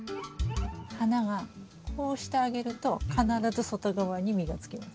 花はこうしてあげると必ず外側に実がつきます。